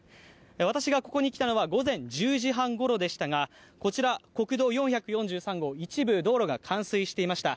私がここに来たのは午前１０時半ごろでしたがこちら、国道４４３号、一部道路が冠水していました。